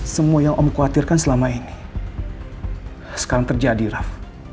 semua yang om khawatirkan selama ini sekarang terjadi raf